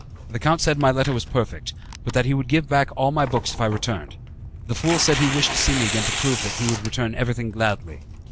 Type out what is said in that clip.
The count said my letter was perfect, but that he would give me back all my books if I returned. The fool said he wished to see me again to prove that he would return everything gladly.